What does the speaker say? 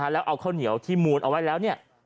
แล้วเอาข้าวเหนียวที่มูลเอาไว้แล้วเนี่ย